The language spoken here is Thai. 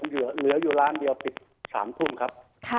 เหลืออยู่ร้านเดียวที่กระจกที่๓ธุ่มครับ